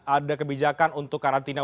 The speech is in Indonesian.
ada kebijakan untuk karantina